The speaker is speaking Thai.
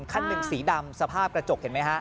ขั้นหนึ่งสีดำสภาพกระจกเห็นไหมฮะ